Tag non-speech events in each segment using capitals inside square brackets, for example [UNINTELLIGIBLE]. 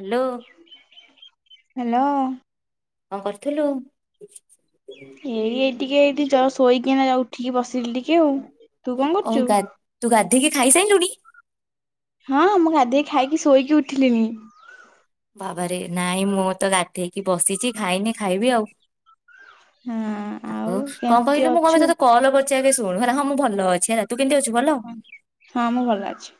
Hello. Hello. କଣ କରଥୁଲୁ? ଏଇ ଏଇ ଟିକେ ଏଇଠି ଜ ଶୋଇକି ଏନାକା ଉଠିକି ବସିଲି ଟିକେ ଆଉ ତୁ କଣ ଓ କରଚୁ? ଗା ତୁ ଗାଧେଇକି ଖାଇସାଇଲୁଣି? ହଁ ମୁଁ ଗାଧେଇ ଖାଇକି ଶୋଇକି ଉଠିଲିଣି। ବାବାରେ ନାଇଁ ମୁଁ ତ ଗାଧେଇକି ବସିଚି ଖାଇନି ଖାଇବି ଆଉ। ହଁ ଆଉ କଣ କେମିତି କହିଲୁ ମୁଁ କମାଇଁ ଅଛୁ? ତତେ କଲ କର ଚି ଆଗେ ଶୁଣୁ ହେଲା ହଁ ମୁଁ ଭଲ ଅଛି ହେଲା ତୁ କେମିତି ଅଛୁ ଭଲ? ହଁ ମୁଁ ଭଲ ଅଛି।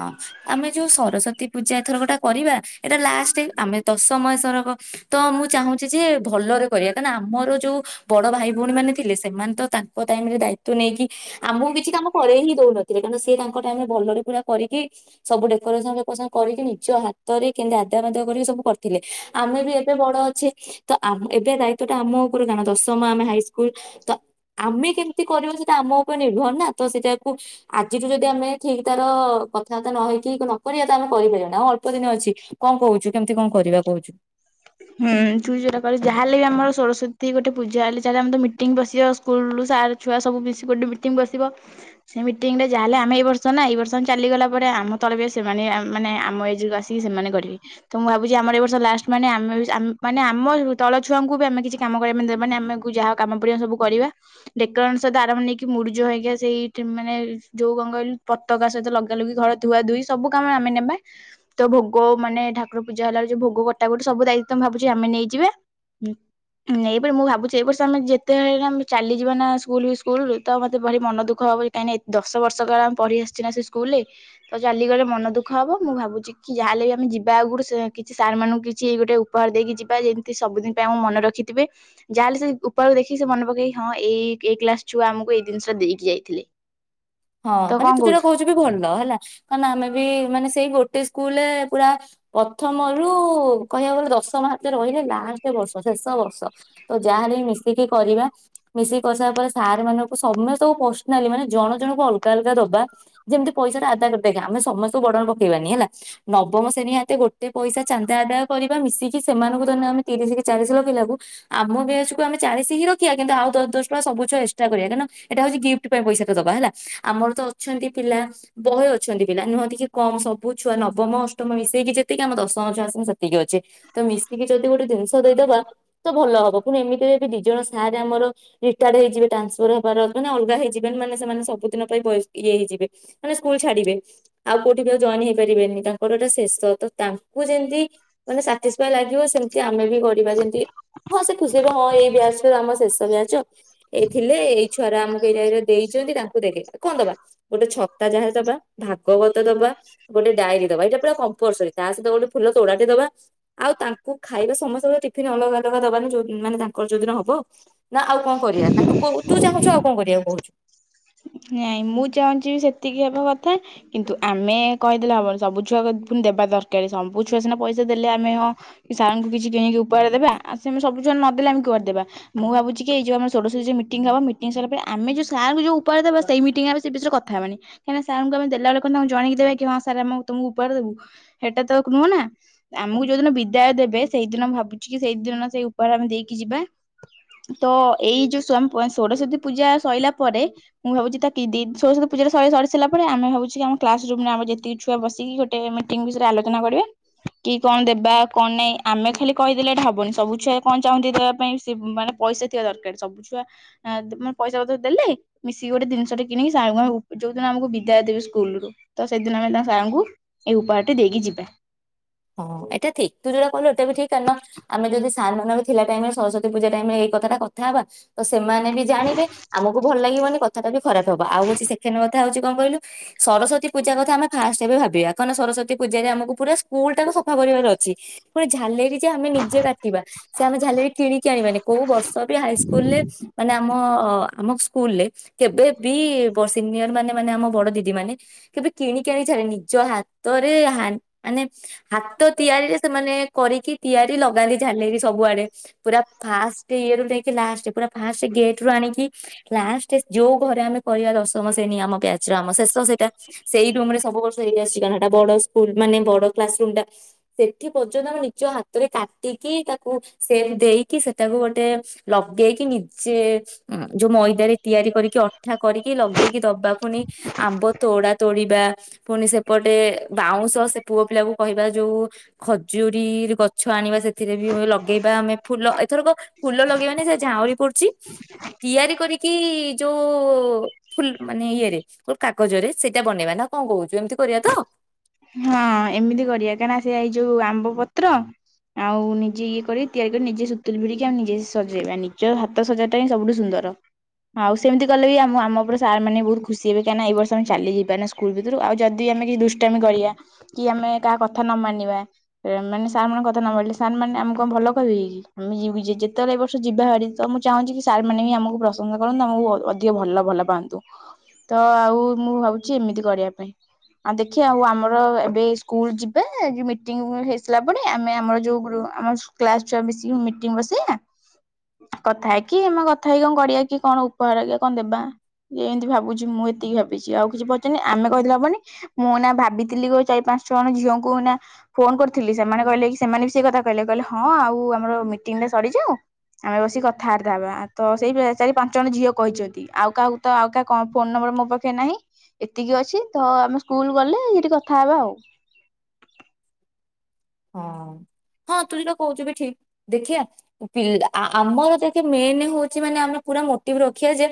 ହଁ ଆମେ ଯୋଉ ସରସ୍ଵତୀ ପୂଜା ଏଥରକଟା କରିବା ଏଇଟା ଲାଷ୍ଟେ ଆମେ ଦଶ ମାସର ଗୋ ତ ମୁଁ ଚାହୁଁଛି ଯେ ଭଲରେ କରିବା କାଇଁନା ଆମର ଯୋଉ ବଡ ଭାଇ ଭଉଣୀମାନେ ଥିଲେ ସେମାନେ ତ ତାଙ୍କ ଟାଇମରେ ଦାୟିତ୍ଵ ନେଇକି ଆମକୁ କିଛି କାମ କରେଇ ହିଁ ଦଉନ ଥିଲେ, ‌ କିନ୍ତୁ ସିଏ ତାଙ୍କ ଟାଇମରେ ଭଲରେ ପୁରା କରିକି ସବୁ ଡେକୋରେସନ ଫେକୋରେସନ କରିକି ନିଜ ହାତରେ କେମତି ଆନ୍ତର ପାନ୍ତର କରିକି ସବୁ କରିଥିଲେ ଆମେ ବି ଏବେ ବଡ ଅଛେ ତ ଆମ ଏବେ ଦାୟିତ୍ୱଟା ଆମ‌ଉ ଉପରେ, ଆମେ ଦଶମ‌ ଆମେ ହାଇସ୍କୁଲ ଆମେ କେମିତି କରିବା ସେଟା ଆମ ଉପରେ ନିର୍ଭର ନା ତ ସେଇଟାକୁ ଆଜିଠୁ ଯଦି ଆମେ ଠିକ୍ ତାର କଥାବାର୍ତ୍ତା ନ ହେଇକି ନକରିବା ତାହେଲେ କରିପାରିବାନି, ଆଉ ଅଳ୍ପ ଦିନ ଅଛି। କଣ କହୁଛୁ କେମିତି କଣ କରିବା କହୁଛୁ? ହୁଁଉଁ, ତୁ ଯୋଉଟା କହିଲୁ ଯାହେଲେ ବି ଆମର ସୋରସ୍ୱତୀ ଗୋଟେ ପୂଜା ହେଲେ ଚାଲେ ଆମେ ତ ମିଟିଂ ବସିବା ସ୍କୁଲରୁ‌ ସାର୍ ଛୁଆ ସବୁ ମିଶି ଗୋଟେ ମିଟିଙ୍ଗ୍ ବସିବ। ସେ ମିଟିଂରେ ଯାହା ହେଲେ ଆମେ ଏଇ ବର୍ଷ ନା, ଏଇ ବର୍ଷ ଚାଲିଗଲା ପରେ ଆମ ତଳ ବ୍ୟାଚ୍ ସେମାନେ ଆ ମାନେ ଆମ ଏ ଯୋଉ ଆସ୍ ସେତିକି ସେମାନେ କରିବେ, ତ ମୁଁ ଭାବୁଛି ଆମର ଏ ବର୍ଷ ଲାଷ୍ଟ ମାନେ ଆମେ ବି ଆମ୍ ମାନେ ଆମ ତଳ ଛୁଆଙ୍କୁ ବି ଆମେ କିଛି କାମ କରିବା ପାଇଁ ଦେବାନି ଆମକୁ ଯାହା କାମ ପଡିବ ସବୁ କରିବା। ଡେକୋରାନ୍ସ ସହିତ ଆରମ୍ଭ ନେଇକି ମୁରୁଜ୍ ହେଇକା ସେଇଠି ମାନେ ଯୋଉ କଣ କହିଲୁ ପତ୍ ପତକା ସହିତ ଲଗାଲଗି ଘର ଧୁଆ ଧୁଇ ସବୁ କାମ ଆମେ ନେବା ତ୍ଵ, ଭୋଗ ମାନେ ଠାକୁର ପୂଜା ହେଲାର ଯୋଉ ଭୋଗ କଟାକଟି ଗୋଟ ସବୁ ଦାୟି ତ ମୁଁ ଭାବୁଛି ଆମେ ନେଇଯିବା। ହୁଁ ଏଇପରି ମୁଁ ଭାବୁଛି ଏଇ ବର୍ଷ ଆମେ ଯେତେବେଳେ ହେଲେ ଆମେ ଚାଲିଯିବା ନା ସ୍କୁଲ ବି ସ୍କୁଲରୁ ତ ମତେ ଭାରି ମନ ଦୁଃଖ ହବ ଏଇ କାହିଁକିନା ଏଇ ଦଶ ବର୍ଷ କାଳ ଆମେ ପଢି ଆସିଛୁ ନା ସେ ସ୍କୁଲରେ ତ ଚାଲିଗଲେ ମନ ଦୁଃଖ ହବ ମୁଁ ଭାବୁଛି କି ଯାହାେଲେ ବି ଆମେ ଯିବା ଆଗରୁ କିଛି ସାର୍ ମାନଙ୍କୁ କିଛି ଏଇ ଗୋଟେ ଉ ଉପହାର ଦେଇକି ଯିବା ଯେମିତି ସବୁଦିନ ପାଇଁ ଆମକୁ ମନ ରଖିଥିବେ। ଯାହାହେଲେ ସେ ଉପରକୁ ଦେଖିକି ସେ ମନେ ପକେଇକି ହଁ ଏଇ-ଏଇ ଏଇ କ୍ଲାସ୍ ଛୁଆ ଆମକୁ ଏଇ ଦିନିଷଟା ଦେଇକି ଯାଇଥିଲେ। ହଁଅ-ଅ, ତ ମାନେ କଣ ତୁ ଯୋଉଟା କହୁଛୁ ବି ଭଲ ହେଲା, ନା ଆମେ ବି ମାନେ ସେଇ ଗୋଟେ ସ୍କୁଲରେ ପୁରା ପ୍ରଥମରୁ କହିବାକୁ ଗଲେ ଦଶମ ହାତରେ ରହିଲେ ଲାଷ୍ଟ ବର୍ଷ ଶେଷ ବର୍ଷ। ତ ଯାହାହେଲେ ବି ମିଶିକି କରିବା। ମିଶିକି କରିସାରିଲା ପରେ ସାର୍ ମାନଙ୍କୁ ସମସ୍ତେଙ୍କୁ ପର୍ସନାଲି ମାନେ ଜଣ ଜଣଙ୍କୁ ଅଲଗା ଅଲଗା ଦବା। ଯେମିତି ପଇସାଟା ଆଦାୟ କରିଦେଇକି ଆମେ ସମସ୍ତଙ୍କୁ ବଡନ ପକେଇବାନି ହେଲା, ନବମ ଶ୍ରେଣୀ ଆଗେ ଗୋ ଗୋଟେ ପଇସା ଚାନ୍ଦା ଆଦାୟ କରିବା ମିଶିକି ସେମାନଙ୍କୁ ଧରିନିଅ ଆମେ ତିରିଶ କି ଚାଳିଶ [INAUDIBLE] ପିଲାକୁ ଆମ ବ୍ୟାଚକୁ ଆମେ ଚାଳିଶି ହିଁ ରଖିବା, କିନ୍ତୁ ଆଉ ଦଶ ଦଶ ଟଙ୍କା ସବୁ ଛୁଆ ଚେଷ୍ଟା କରିବା କାହିଁକିନା ଏଇଟା ହଉଛିି ଗିଫ୍ଟ ପାଇଁ ପଇସା ଦବା ହେଲା। ଆମର ତ ଅଛନ୍ତି ପିଲା ବହୁତ୍ ଅଛନ୍ତି ପିଲା ନୁହନ୍ତି କି କମ୍ ସବୁ ଛୁଆ ନବମ ଅଷ୍ଟମ ମିଶେଇକି ଯେତିକି ଆମ ଦଶମ ଛୁଆ [INAUDIBLE] ସେତିକି ଅଛେ। ତ ମିଶିକି ଯଦି ଗୋଟେ ଜିନିଷ ଦେଇଦେବା ତ ଭଲ ହବ ପୁଣି ଏମିତିରେ ବି ଦି ଜଣ ସାର୍ ଆମର ରିଟାୟାର୍ଡ ହେଇଯିବେ ଟ୍ରାନ୍ସଫର ହେବାର ମାନେ ଅଲଗା ହେଇଯିବେ ନା-ନା ସେମାନେ ସବ୍ ବହୁତ୍ ଦିନ ପାଇଁ ଇଏ ହେଇଯିବେ ମାନେ ସ୍କୁଲ ଛାଡ଼ିବେ ଆଉ କୋଉଠି ବି ଆଉ ଜୟନ୍ ହେଇପାରିବେନି ତାଙ୍କ୍ ତାଙ୍କର ଏଇଟା ଶେଷ ତ ତାଙ୍କୁ ଯେମିତି ମାନେ‌ ସା ସାଟିସଫାଏ ଲାଗିବ ସେମିତି ଆମେ ‌ବି କରିବା ଯେମିତି ଭଲସେ ଖୁସି ହେବେ ହଁ ଏଇ ବ୍ୟାଚ୍ ତ ଆମ ଶେଷ ବ୍ୟାଚ, ଏଇ ଥିଲେ ଏଇ ଛୁଆରା ଆମକୁ ଏଇ [INAUDIBLE] ଦେଇଛନ୍ତି ତାଙ୍କ୍ ତୁ ଦେଖେ, କଣ ଦବା ଗୋଟେ ଛତା ଯାହା ଦବା ଭାଗବତ ଦବା ଗୋଟେ ଡାଇରୀ ଦବା ଏଇଟ ପୁରା କମ୍ପଲସରି ତା ସହିତ ଗୋଟେ ଫୁଲତୋଡ଼ାଟେ ଦବା। ଆଉ ତାଙ୍କୁ ଖାଇବା ସମସ୍ତଙ୍କର ଟିଫିନ ଅଲଗା ଅଲଗା ଦବାନି ଯୋଉ ମାନେ ତାଙ୍କର ଯୋଉଦିନ ହବ ନା ଆଉ କଣ କରିବା ନା ତୁ କହ ତୁ ଚାହୁଁଛୁ ଆଉ କଣ କରିବାକୁ କହୁଛୁ? ନାଇଁ, ମୁଁ ଚାହୁଁଛି ବି ସେତିକି ହେବା କଥା କିନ୍ତୁ ଆମେ କହିଦେଲେ ହବନି ସବୁ ଛୁଆ ପୁଣି ଦେବା ଦରକାର ସବୁ ଛୁଆ ସିନା ପଇସା ଦେଲେ ଆମେ ହଁ କି ସାରଙ୍କୁ କିଛି କିଣିକି ଉପହାର ଦେବା ଆଉ ସେମିତି ସବୁ ଛୁଆ ନଦେଲେ ଆମେ କୁଆଡୁ ଦେବା? ମୁଁ ଭାବୁଚି କି ଏଇ ଯୋଉ ଆମର ଷୋଡ଼ଷରେ ଯୋଉ ମିଟିଂ ହବ ମିଟିଂ ସଇଲ ପରେ ଆମ ଯୋଉ ସାର୍ ଙ୍କୁ ଯୋଉ ପହାର ଦବା ସେଇ ମିଟିଂ ଆମେ ସେ ବିଷୟରେ କଥା ହେବାନି। କାହିଁ ନା ସାର୍ ଙ୍କୁ ଆମେ ଦେଲାଏଳେ କଣ ଜଣେଇକି ଦେବା କି ହଁ ସାର୍ ଆମ ତମୁକୁ ଉପହାର ଦେବୁ? ହେଟା ତ ନୁହଁ ନା। ଆମୁକୁ ଯୋଉ ଦିନ ବିଦାୟ ଦେବେ ସେଇଦିନ ମୁଁ ଭାବୁଚି କି ସେଇଦିନ ନ ସେଇ ଉପହାର ଆମେ ଦେଇକି ଯିବା। ତ ଏଇ ଯୋଉ ସୋମ୍ ପୁଅଁ ସୋଡ଼ସ୍ଵତୀ ପୂଜା ସଇଲା ପରେ ମୁଁ ଭାବୁଚି ତା କି ଦି ସୋରସ୍ବତୀ ପୂଜାଟା ସଏ ସରି ସାଇଲା ପରେ ଆମେ ଭାବୁଚୁ କି ଆମ କ୍ଲାସ ରୁମ୍ ରେ ଆମ ଯେତିକି ଛୁଆ ବସିକି ଗୋଟେ ମିଟିଂ ବିଷରେ ଆଲୋଚନା କରିବେ। କି କଣ ଦେବା କଣ ନାଇଁ ଆମେ ଖାଲି କହିଦେଲେ ଏଟା ହବନି ସବୁ ଛୁଆ କଣ ଚାହୁଁନ୍ତି ଦେବା ପାଇଁ ସେ ମାନେ ପଇସା ଥିବା ଦରକାର ସବୁ ଛୁଆ ଅଁ ତୁମ ପଇସା ପତର ଦେଲେ ମିଶିକି ଗୋଟେ ଦିନଷଟେ କିଣିକି ସାର୍ ଙ୍କୁ ଆମେ ଉ ଯୋଉ ଦିନ ଆମୁକୁ ବିଦାୟ ଦେବେ ସ୍କୁଲ୍ ରୁ ତ ସେଦିନ ଆମେ ତାଙ୍କ ସାର୍ ଙ୍କୁ ଏ ଉପାୟଟି ଦେଇକି ଯିବେ। ହଁ ଏଟା ଥିକ୍ ତୁ ଯୋଉଟା କହିଲୁ ଏଟା ବି ଠିକ୍ କାରନ ଆମେ ଯଦି ସାନ ଥିଲା ଟାଇମ୍ ରେ ସରସ୍ଵତୀ ପୂଜା ଟାଇମ୍ ରେ ଏଇ କଥାଟା କଥା ହବା ତ ସେମାନେ ବି ଜାଣିବେ ଆମୁକୁ ଭଲ ଲାଗିବନି କଥାଟା ବି ଖରାପ ହବ ଆଉ ହୋଉଚି ସେଖେଣ୍ଡ୍ କଥା ହୋଉଚି କଁ କହିଲୁ ସରସ୍ୱତୀ ପୂଜା କଥା ଆମେ ଫାଷ୍ଟେ ଏବେ ଭାବିବା କ ନା ସରସ୍ଵତୀ ପୂଜାରେ ଆମୁକୁ ପୁରା ପୁଲ୍ ଟାକୁ ସଫା କରିବାର ଅଛି ପୁଣି ଝାଲେରି ଯେ ଆମେ ନିଜେ କାଟିବା। ସେ ଆମେ ଝାଲେରି କିଣିକି ଆଣିବାନି କୋଉ ବର୍ଷ ବି ହାଇସ୍କୁଲ୍ ରେ ମାନେ ଆମ ଆମ ସ୍କୁଲେ କେବେ ବି ବ ସିନିୟର ମାନେ ମାନେ ଆମ ବଡ଼ ଦିଦି ମାନେ କେବେ କିଣିକି ଆଣି ଛାରେନି ନିଜ ହା ତରେ ହାନ୍ ଆନେ ହାତ ତିଆରିରେ ସେମାନେ କରିକି ତିଆରି ଲଗାନ୍ତି ଝାଲେରି ସବୁଆଡ଼େ। ପୁରା ଫାଷ୍ଟେ ଇଏରୁ ନେଇକି ଲାଷ୍ଟେ ପୁରା ଫାଷ୍ଟେ ଗେଟ୍ ରୁ ଆଣିକି ଲାଷ୍ଟେ ଯୋଉ ଘରେ ଆମେ କରିବା ଦଶମ ଶ୍ରେଣୀ ଆମ ବ୍ୟାଚ୍ ର ଆମ ଶେଷ ସେଟା। ସେଇ ରୁମ୍ ରେ ସବୁ ବର୍ଷ ହେଇ ଅସଚି କାରଣ ହେଟା ବଡ଼ ସ୍କୁଲ୍ ମାନେ ବଡ଼ କ୍ଲାସ୍ ରୁମ୍ ଟା। ସେଠି ପର୍ଯ୍ୟନ୍ତ ଆମ ନିଜ ହାତରେ କାଟିକି ତାକୁ ସେପ୍ ଦେଇକି ସେଟାକୁ ଗୋଟେ ଲଗେଇକି ନିଜେ ଉଁ ଯୋଉ ମଇଦାରେ ତିଆରି କରିକି ଅଠା କରିକି ଲଗେଇକି ଦବା ଫୁଣି ଆମ୍ବ ତୋଡ଼ା ତୋଡି଼ବା ପୁଣି ସେପଟେ ବାଉଁଶ ସେ ପୁଅ ପିଲାକୁ କହିବା ଯୋଉ ଖଜୁରୀ ଗଛ ଆଣିବା ସେଥିରେ ବି ବ ଲଗେଇବା ଆମେ। ଫୁଲ ଏଥରକ ଫୁଲ ଲଗେଇବାନି ସେ ଝାଉଁଳି ପଡ଼ୁଚି। ତିଆରି କରିକି ଯୋଉ ଫୁଲ୍ ମାନେ ଇଏରେ ଓ କାଗଜରେ ସେଟା ବନେଇବା ନାଁ କଁ କହୁଚୁ ଏମିତି କରିବା ତ? ହଁ ଏମିତି କରିବା କାଇଁ ନାଁ ସେ ଏଇ ଯୋଉ ଆମ୍ବ ପତ୍ର ଆଉ ନିଜେ ଇଏ କରି ତିଆରି କରି ନିଜେ ସୁତୁଲି ଭିଡି଼କି ଆମ ନିଜେ ସଜେଇବା ନିଜ ହା ତ ସଜାଟା ହିଁ ସବୁଠୁ ସୁନ୍ଦର। ଆଉ ସେମିତି କଲେ ବି ଆମ ଆମ ଓପରେ ସାର୍ ମାନେ ବୋହୁତ୍ ଖୁସି ହେବେ କାଇଁ ନା ଏଇ ବର୍ଷ ଆମେ ଚାଲି ଯିବା ନା ସ୍ କୁଲ୍ ଭିତୁରୁ ଆଉ ଯଦି ଆମେ କିଛି ଦୁଷ୍ଟାମି କରିଆ କି ଆମେ କାହା କଥା ନ ମାନିବା ଏ ମାନେ ସାର୍ ମାନଙ୍କ କଥା ନ ମାନିଲେ ସାର୍ ମାନେ ଆମୁ କଁ ଭଲ କହିବେ କି? ଆମେ ଯିବି ଯେ ଯେତଳେ ଏ ବର୍ଷ ଯିବା ହାରି ତ ମୁଁ ଚାହୁଁଚି କି ସାର୍ ମାନେ ବି ଆମୁକୁ ପ୍ରଶଂସା କରନ୍ତୁ ଆମୁକୁ ଅ ଅଧିକ ଭଲ ଭଲ ପାଆନ୍ତୁ ତ ଆଉ ମୁଁ ଭାବୁଚି ଏମିତି କରିବା ପାଇଁ। ଆ ଦେଖିଆ ଆଉ ଆମର ଅର ଏବେ ଏଇ ସ୍କୁଲ୍ ଯିବେ ଯୋଉ ମିଟିଂ ହେଇସାଇଲା ପରେ ଆମେ ଆମର ଯୋଉ ଗ୍ରୁ ଆମ କ୍ଲାସ୍ ଛୁଆ ମିଶିକି ମିଟିଂ ବସେଇଆ। କଥା ହେଇକି ଆମ କଥା ହେଇ କଁ କଡ଼ିଆ କିଏ କଣ ଉପହାର କିଏ କଁ ଦେବା। ଏନ୍ତି ଭାବୁଚି ମୁଁ ଏତିକି ଭାବିଚି ଆଉ କିଛି ପଚାନି ଆମେ କହିଦେଲେ ହବନି ମୁଁ ନା ଭାବି ତିଲି ଗୋ ଚାରି, ପାଞ୍ଚ ଜଣ ଝିଅଙ୍କୁ ନାଁ ଫୋନ କରିଥିଲି ସେମାନେ କହିଲେ କି ସେମାନେ ବି ସେଇ କଥା କହିଲେ କହିଲେ ହଁ ଆଉ ଆମର ମିଟିଂ ଟା ସରିଯାଉ। ଆମେ ବସି କଥାବାର୍ତ୍ତା ହେବା ତ ସେଇ ଚାରି, ପାଞ୍ଚ ଜଣ ଝିଅ କହିଚ଼ନ୍ତି ଆଉ କାହାକୁ। ତ ଆଉ କା କଁ ଫୋନ ନମ୍ବର ମୋ ପାଖେ ନାହିଁ ଏତିକି ଅଛି ତ ଆମେ ସ୍କୁଲ ଗଲେ ସେଠି କ ଥା ହବା ଆଉ। ହଁ ହଁ ତୁ ଯୋଉଟା କହୁଚୁ ବି ଠିକ୍। ଦେଖିବା ପିଲ୍ ଆ ଆ ଆମର ଦେଖେ ମେନେ ହଉଚି ମାନେ ଆମେ ପୁରା ମୋଟିଭ୍ ରଖିବା ଯେ।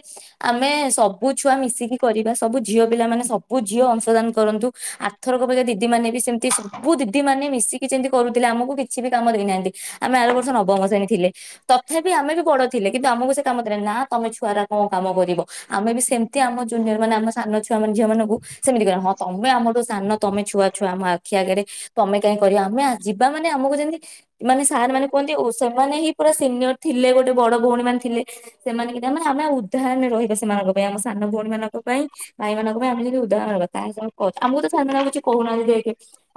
ଆମେ ସବୁ ଛୁଆ ମିଶିକି କରିବା ସବୁ ଝିଅ ପିଲା ମାନେ ସବୁ ଝିଅ ଅଂଶଦାନ କରନ୍ତୁ ଆ ଆରଥରକ ପରିକା ଦିଦି ମାନେ ବି ସେମିତି ସବୁ ଦିଦି ମାନେ ମିଶି। କି ଯେମିତି କରୁଥିଲେ ଆମକୁ କିଛି ବି କାମ ଦେଇନାହାନ୍ତି ଆମେ ଆର ବର୍ଷ ନବମ ଶ୍ରେଣୀ ଥିଲେ ତଥାବି ଆମେ ବି ବଡ। ଥିଲେ କିନ୍ତୁ ଆମକୁ ସେ କାମ ଦେଲେନି ନା ତମେ ଛୁଆର କଁ କାମ କରିବ ଆମେ ବି ସେମିତି ଆମ ଜୁନିୟର ମାନେ ଆମ ସାନ ଛୁଆ ମାନେ ଝିଅ ମାନଙ୍କୁ। ସେମିତି କରିବା ହଁ ତମେ ଆମଠୁ ସାନ ତମେ ଛଆ ଛୁଆ ଆମ ଆଖି ଆଗରେ ତମେ କାହିଁ କରିବ ଆମେ ଆ ଯିବା ମାନେ ଆମକୁ ଯେମିତି। ମାନେ ସାର୍ ମାନେ କୁହନ୍ତି ଓ ସେମାନେ ହିଁ ପୁରା ସିନିୟର ଥିଲେ ଗୋଟେ ବଡ ଭଉଣୀ ମାନେ ଥିଲେ। ସେମାନେ କିି [UNINTELLIGIBLE] ଆମେ ସେମାନେ ବି ଆମେ ଉଦାହରଣରେ ରହିବା ସେମାନଙ୍କ ପାଇଁ ଆମ ସାନ ଭଉଣୀ ମାନଙ୍କ ପାଇଁ ଭାଇ ମାନଙ୍କ ପାଇଁ ଆମେ ଯମିତି ଉଦାହାରଣ ରହିବା। ତାଙ୍କୁ ସେମାନେ କହୁଚ ଆମକୁ ତ ସାର ମାନେ କିଛି କହୁନାହାନ୍ତି ଦେଖେ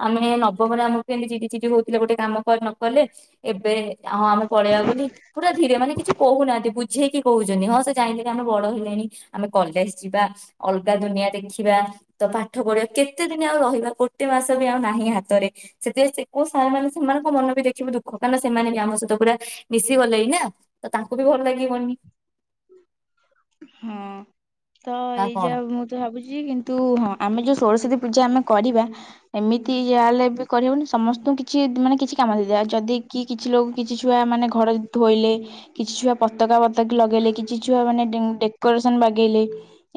ଆମେ ନବମରେ ଆମ କେମତି ଚିଡି ଚିଡି ହଉଥିଲେ ଗୋଟେ କାମ କରି ନ କଲେ ଏବେ ହଁ ଆମେ ପଳେଇବା ବୋଲି। ପୁରା ଧୀରେ ମାନେ କିଛି କହୁନାହାନ୍ତି ବୁଝେଇକି କହୁଛନ୍ତି ହଁ ସେ ଯାଇଁଲେ କି ଆମେ ବଡ ହେଲେଣି। ଆମେ କଲେଜ ଯିବା, ଅଲଗା ଦୁନିଆ ଦେଖିବା, ତ ପାଠ ପଢିବା। କେତେ ଦିନ ଆଉ ରହିବା ଗୋଟେ ମାସ ବି ଆଉ ନାହିଁ ହାତରେ। ସେଥିପାଇଁ ସେ କୋଉ ସାର ମାନେ ସେମାନଙ୍କ ମନ ବି ଦେଖିବେ ଦୁଃଖ କାରଣ ସେମାନେ ବି ଆମ ସହିତ ପୁରା ମିଶି ଗଲେଣି ନା। ତ ତାଙ୍କୁ ବି ଭଲ ଲାଗିବନି। ହଁ, ତ ନା କଣ? ଏଇଯାଉ ମୁଁ ତ ଭାବୁଛି କିନ୍ତୁ ହଁ ଆମେ ଯୋଉ ସରସ୍ଵତୀ ପୂଜା ଆମେ କରିବା। ଏମିତି ଯାହା ହେଲେବି କରିହବନି, ସମସ୍ତଙ୍କୁ କିଛି ମାନେ କିଛି କାମ ଦେଇଦବା ଆଉ ଯଦି କି କିଛି ଲୋକ କିଛି ଛୁଆ ମାନେ ଘରଇ। ଧୋଇଲେ କିଛି ଛୁଆ ପତାକା ପତକୀ ଲଗେଇଲେ, କିଛି ଛୁଆ ମାନେ ଡେ ଡେକୋରେସନ ବାଗେଇଲେ।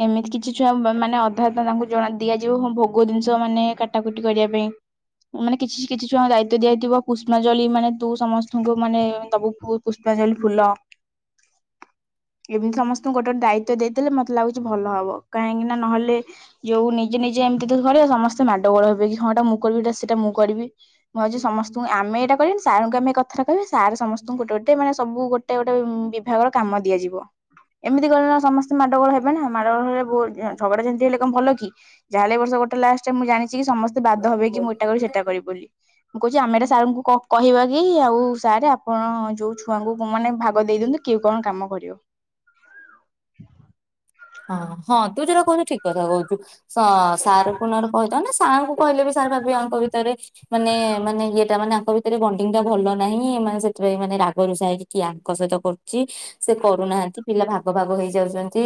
ଏମିତି କିଛି ଛୁଆ ମା ମାନେ ଅଧା ତାଙ୍କୁ ଜଣା ଦିଆଯିବ ହଁ ଭୋଗ ଜିନିଷ ମାନେ କାଟାକୁଟି କରିବା ପାଇଁ। ମାନେ କିଛି କିଛି ଛୁଆଙ୍କୁ ଦାୟିତ୍ୱ ଦିଆ ହେଇଥିବ ପୁଷ୍ପାଞ୍ଜଳି ମାନେ ତୁ ସମସ୍ତଙ୍କୁ ମାନେ ଦବୁ ଫୁ ପୁଷ୍ପାଞ୍ଜଳି ଫୁଲ। ଏମିତି ସମସ୍ତଙ୍କୁ ଗୋଟେ ଗୋଟେ ଦାୟିତ୍ବ ଦେଇଦେଲେ ମତେ ଲାଗୁଛି ଭଲ ହବ କାହିଁକି ନା ନହେଲେ। ଯୋଉ ନିଜେ ନିଜେ ଏମିତି ଯଦି କରିବ ସମସ୍ତେ ମାଡଗୋଳ ହେବେ କି ହଁ ଏଟା ମୁଁ କରିବି ସେଟା ମୁଁ କରିବି। ମୁଁ ଭାବୁଛି ସମସ୍ତଙ୍କୁ, ଆମେ ଏଇଟା କହିବାନି ସାରଙ୍କୁ ଆମେ ଏ କଥା ଟା କହିବା ସାର ସମସ୍ତଙ୍କୁ ଗୋ ଟେ ମାନେ ସବୁ ଗୋଟେ ଗୋଟେ ଉଁ ବିଭାଗର କାମ ଦିଆଯିବ। ଏମିତି କଲେ ନା ସମସ୍ତେ ମାଡ଼ଗୋଳ ହେବେ ନା ମାଡ଼ଗୋଳ ହେଲେ ବହୁ ଝଗଡା ଝାଟି ହେଲେ କଁ ଭଲ କି, ଯାହା ହେଲେ ଏ ବର୍ଷ ଗୋଟେ ଲାଷ୍ଟ ମୁଁ ଜାଣିଛି କି ସମସ୍ତେ। ବାଦ ହେବେ କି ମୁଁ ଏଟା କରିବି ସେଟା କରିବି ବୋଲି। ମୁଁ କହୁଛି ଆମେ ଏଟା ସାରଙ୍କୁ କ କହିବା କି ଆଉ ସାରେ ଆପଣ ଯୋଉ। ଛୁଆଙ୍କୁ ମାନେ ଭାଗ ଦେଇ ଦିଅନ୍ତୁ, କିଏ କଣ କାମ କରିବ। ହଁ ହଁ ତୁ ଯୋଉଟା କହୁଚୁ ଠିକ୍ କଥା କହୁଚୁ ସା ସାରଙ୍କୁ ନହେଲେ କହିଥାନ୍ତେ, ସାର ଙ୍କୁ କହିଲେ ବି ସାର୍ ଭାବିବେ ଆଙ୍କ ଭିତରେ। ମାନେ ମାନେ ଇଏଟା ମାନେ ଆଙ୍କ ଭିତରେ ବଣ୍ଡିଙ୍ଗ ଟା ଭଲ ନାହିଁ, ଏମାନେ ସେଥିପାଇଁ ମାନେ ରାଗରୁଷା ହେଇକି। କି ଆଙ୍କ ସହିତ କରୁଚି, ସେ କରୁନାହାନ୍ତି ପିଲା ଭାଗ ଭାଗ ହେଇ ଯାଉଚନ୍ତି।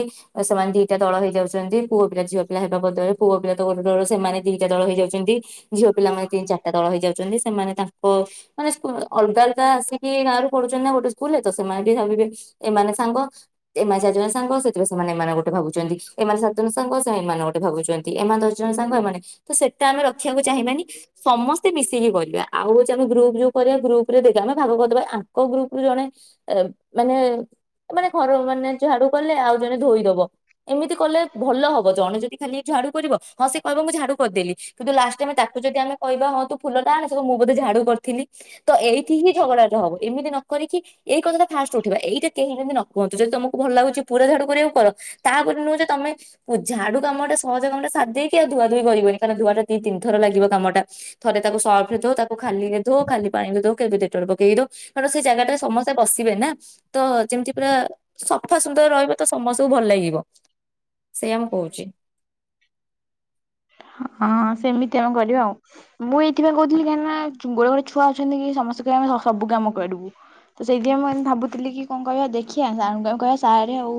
ସେମାନେ ଦିଟା ଦଳ ହେଇଯାଉଚନ୍ତି, ପୁଅ ପିଲା ଝିଅ ପିଲା ହେବା ବଦଳରେ ପୁଅ ପିଲା ତ ଗୋଟେ ଦଳ ସେମାନେ ଦିଟା ଦଳ ହେଇଯାଉଚନ୍ତି। ଝିଅ ପିଲାମାନେ ତିନି ଚାରିଟା ଦଳ ହେଇଯାଉଚନ୍ତି, ସେମାନେ ତାଙ୍କ। ମାନେ ଅଲଗା ଅଲଗା ଆସିକି ଗାଁରୁ ପଢୁଛନ୍ତି ନା ଗୋଟେ ସ୍କୁଲ ରେ, ତ ସେମାନେ ବି ଭାବିବେ ଏମାନେ ସାଙ୍ଗ, ଏମାନେ ଚାରିଜଣ ସାଙ୍ଗ, ସେଥିପାଇଁ ମାନେ ଏମାନେ ଗୋଟେ ଭାବୁଚନ୍ତି, ଏମାନେ ସାତ ଜଣ ସାଙ୍ଗ, ଏମାନେ ଗୋଟେ ଭାବୁଚନ୍ତି, ଏମାନେ ଦଶ ଜଣ ସାଙ୍ଗ, ଏମାନେ ତ ସେଟା ଆମେ ରଖିବାକୁ ଚାହିଁବାନି, ସମସ୍ତେ ମିଶିକି କରିବା, ଆଉ ହଉଚି ଆମ ଗ୍ରୁପ୍ ଯଉ କରିବା ଗ୍ରୁପ ରେ ଦେଖେ, ଆମେ ଭାଗ କରିଦବା, ଆଙ୍କ ଗ୍ରୁପୁ ଜଣେ ମାନେ, ମାନେ ଘର ମାନେ ଝାଡୁ କଲେ, ଆଉ ଜଣେ ଧୋଇଦବ। ଏମିତି କଲେ ଭଲ ହବ, ଜଣେ ଯଦି ଖାଲି ଝାଡୁ କରିବ, ହଁ ସେ କହିବ ମୁ ଝାଡୁ କରିଦେଲି। କିନ୍ତୁ ଲାଷ୍ଟ ଆମେ ତାକୁ ଯଦି ଆମେ କହିବା ହଁ ତୁ ଫୁଲଟା ଆଣେ, ସେ କହିବ, ମୁଁ ବୋଧେ ଝାଡୁ କରିଥିଲି। ତ ଏଇଠି ହିଁ ଝଗଡା ଟେ ହବ, ଏମିତି ନ କରିକି, ଏଇ କଥାଟା ଫାଷ୍ଟ ଉଠିବ, ଏଇଟା କେହି ଯେମିତି ନକ କୁହନ୍ତୁ, ଯଦି ତମକୁ ଭଲ ଲାଗୁଛି ପୁରା ଝାଡୁ କରିବାକୁ କର, ତାବୋଲି ନୁହଁ ଯେ ତମେ ମୁ ଝାଡୁ କାମଟା ସହଜ କାମଟା ସାରି ଦେଇକି, ଆଉ ଧୁଆ ଧୁଇ କରିବନି, କାରଣ ଧୁଆଟା ଦି ତିନ ଥର ଲାଗିବ କାମଟା ଥରେ ତାକୁ ସର୍ଫରେ ଧୋ, ତାକୁ ଖାଲିରେ ଧୋ ଖାଲି ପାଣିରେ ଧୋ, କେବେ ଡେଟଲ ପକେଇକି ଧୋ, କାରଣ ସେ ଜାଗାଟା ସମସ୍ତେ ବସିବେ ନା। ତ, ଯେମିତି ପୁରା, ସଫା ସୁନ୍ଦର ରହିବ। ତ ସମସ୍ତଙ୍କୁ ଭଲ ଲାଗିବ, ସେଇଆ ମୁଁ କହୁଚି। ହଁ, ସେମିତି ଆମେ କରିବା ଆଉ। ମୁଁ ଏଇଥିପାଇଁ କହୁଥିଲି, କାହିଁକି ନା ଗୁରେ ଗୁରେ ଛୁଆ ଅଛନ୍ତି କି, ସମସ୍ତେ କହିବେ ଆମେ ସବୁ କାମ କରିବୁ। ତ ସେଇଥିପାଇଁ, ମୁଁ ଏଇନୁ ଭାବୁଥିଲି କି କଣ କହିବା ଦେଖିବା, ସାରଙ୍କୁ କହିବା ସାରେ ଆଉ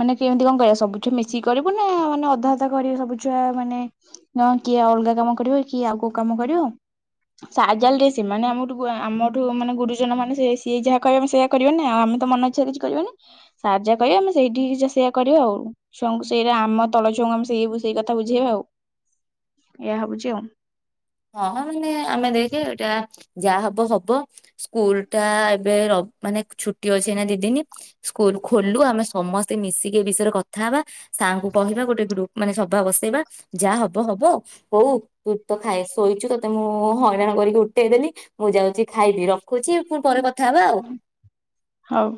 ମାନେ କେମିତି କଣ କରିବା, ସବୁଥୁରୁ ମିଶିକି କରିବୁ ନା, ମାନେ ଅଧା ଅଧା କରିବେ ସବୁଛୁଆ ମାନେ ନା କିଏ ଅଲଗା କାମ କରିବ, କିଏ ଆଉ କୋଉ କାମ କରିବ? ସାରେ ଯାହେଲେ, ସେମାନେ ଆମଠୁ, ଆମଠୁ ମାନେ ଗୁରୁଜନ ମାନେ, ସେ ସିଏ ଯାହା କହିବେ ଆମେ ସେଇଆ କରିବାନି, ଆଉ ଆମେ ତ ମନ ଇଛାରେ କିଛି କରିବାନି, ସାର୍ ଯାହା କହିବେ, ଆମେ ସେଇଠି ସେଇଆ କରିବା ଆଉ। ଛୁଆଙ୍କୁ ସେଇରା, ଆମ ତଳ ଛୁଆଙ୍କୁ, ଆମେ ସେଇ ସେଇ, ସେଇ କଥା ବୁଝେଇବା ଆଉ। ଏଇଆ ଭାବୁଚି ଆଉ। ହଁ ମାନେ, ଆମେ ଦେଖେ ଏଇଟା, ଯାହା ହବ ହବ। ସ୍କୁଲ ଟା ଏବେ ର, ମାନେ ଛୁଟି ଅଛି ନା ଦିଦିନି। ସ୍କୁଲ ଖୋଲୁ, ଆମେ ସମସ୍ତେ ମିଶିକି ଏ ବିଷୟରେ କଥା ହେବା, ସାଙ୍କୁ କହିବା ଗୋଟେ ଗ୍ରୁପ ମାନେ ସଭା ବସେଇବା, ଯାହା ହବ ହବ, ହୋଉ, ତୁ ତ ଖାଇ ଆସ ଶୋଇଚୁ, ତତେ ମୁଁ ହଇରାଣ କରିକି ଉଠେଇଦେଲି, ମୁଁ ଯାଉଛି ଖାଇବି, ରଖୁଚି, ପୁଣି ପରେ କଥା ହବା ଆଉ। ହଉ।